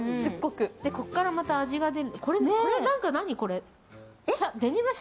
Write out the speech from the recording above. ここからまた味が出る。